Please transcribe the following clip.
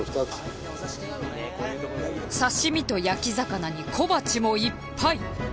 刺身と焼き魚に小鉢もいっぱい！